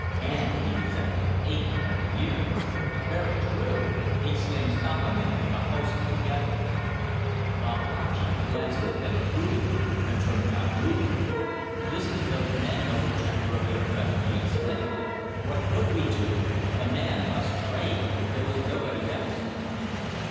And he exacted payment every year ... "Very true!" exclaimed Sahamin and Bahassoen together. Babalatchi glanced at them approvingly and turned to Abdulla. "Listen to those men, O Protector of the oppressed!" he exclaimed. "What could we do? A man must trade. There was nobody else."